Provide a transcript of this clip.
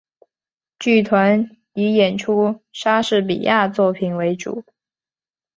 剧团以演出莎士比亚作品为主。